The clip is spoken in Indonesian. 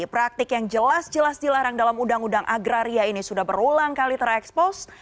praktik yang jelas jelas dilarang dalam undang undang agraria ini sudah berulang kali terekspos